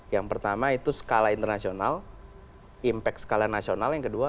yang pertama itu skala internasional impact skala nasional yang kedua